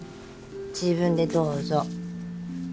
自分でどうぞ。